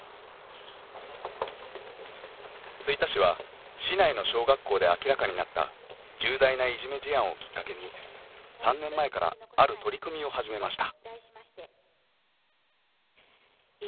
吹田市は市内の小学校で明らかになった重大ないじめ事案をきっかけに３年前からある取り組みを始めました。